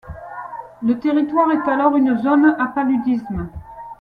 Le territoire est alors une zone à paludisme.